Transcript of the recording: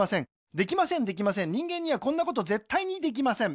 できませんできません人間にはこんなことぜったいにできません